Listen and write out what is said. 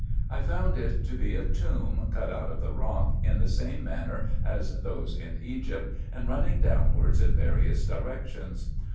I found it to be a tomb cut out of the rock, in the same manner as those in Egypt, and running downwards in various directions.